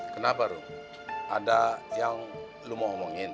kenapa rum ada yang lu mau omongin